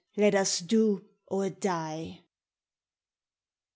let us do, or die!